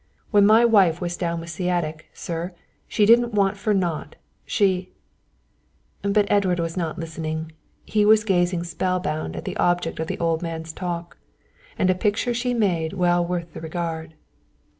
When my wife was down with sciatic, sir, she didn't want for naught, she " But Edward was not listening, he was gazing spell bound at the object of the old man's talk. And a picture she made well worth the regard.